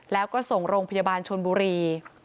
แล้วก็ส่งโรงพยาบาลชนบุรี